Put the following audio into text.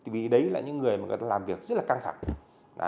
vì đấy là những người mà người ta làm việc rất là căng thẳng